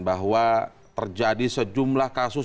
bahwa terjadi sejumlah kasus